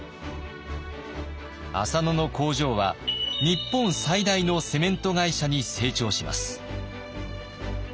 浅野の工場は日本最大のセメント会社に成長します。